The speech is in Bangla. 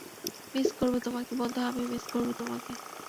মিস করবো তোমাকে বন্ধু - আমিও মিস করবো তোমাকে।